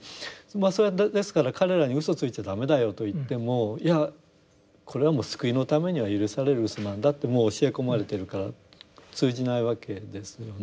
それはですから彼らに嘘ついちゃ駄目だよと言ってもいやこれはもう救いのためには許される嘘なんだってもう教え込まれてるから通じないわけですよね。